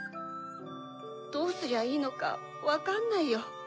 どうすりゃいいのかわかんないよ。